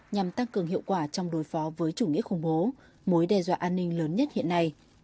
nhằm tăng cường hiệu quả trong đối phó với chủ nghĩa khủng bố mối đe dọa an ninh lớn nhất hiện nay